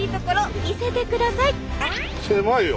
狭いよ。